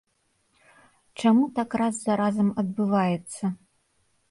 Чаму так раз за разам адбываецца?